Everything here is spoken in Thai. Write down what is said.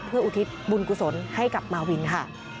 เพื่ออุทิศบุญกุศลให้กับมาวินค่ะ